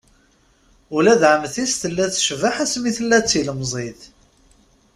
Ula d ɛemti-s tella tecbeḥ asmi tella d tilemẓit.